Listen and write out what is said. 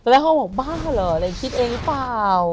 แล้วเขาบอกบ้าเหรออะไรคิดเองหรือเปล่า